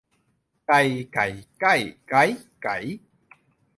ไก ไก่ ไก้ ไก๊ ไก๋